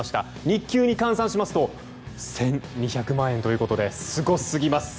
日給に換算すると１２００万円ということですごすぎます。